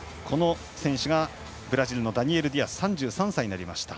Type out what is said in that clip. ブラジルのダニエル・ディアスは３３歳になりました。